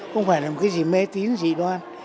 không phải là một cái gì mê tín dị đoan